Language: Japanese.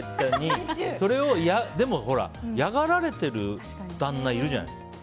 でも、それを嫌がられてる旦那いるじゃない。